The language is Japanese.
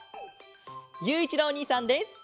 ゆういちろうおにいさんです！